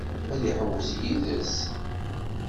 Ad iḥewwes yid-s?